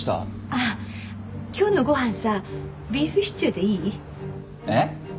あっ今日のご飯さビーフシチューでいい？えっ？